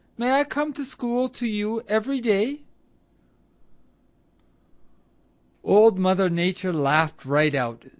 May come to school to you every day?" Old Mother Nature laughed right out.